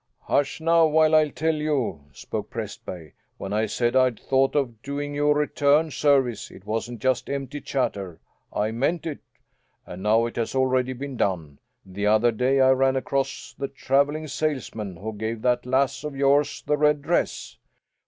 "Hush now, while I tell you!" spoke Prästberg. "When I said I'd thought of doing you a return service, it wasn't just empty chatter. I meant it. And now it has already been done. The other day I ran across the travelling salesman who gave that lass of yours the red dress."